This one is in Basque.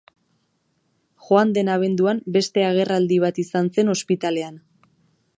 Joan den abenduan beste agerraldi bat izan zen ospitalean.